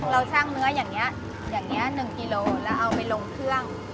เราชั่งเนื้ออย่างนี้๑กิโลแล้วเอาไปลงเครื่อง